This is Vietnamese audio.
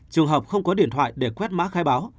trường hợp không có điện thoại để quét mã khai báo